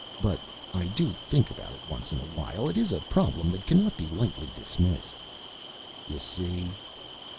"But I do think about it once in a while, it is a problem that cannot be lightly dismissed." "You see?"